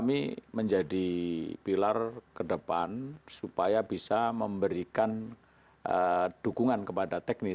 inilah pada saat ini